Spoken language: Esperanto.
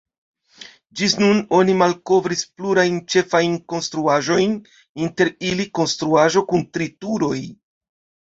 Ĝis nun oni malkovris plurajn ĉefajn konstruaĵojn, inter ili konstruaĵo kun tri turoj.